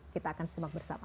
kita akan sembang bersama